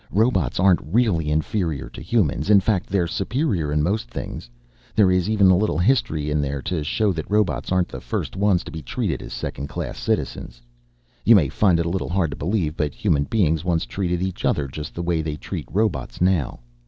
Robots aren't really inferior to humans, in fact they're superior in most things. There is even a little history in there to show that robots aren't the first ones to be treated as second class citizens. You may find it a little hard to believe, but human beings once treated each other just the way they treat robots now.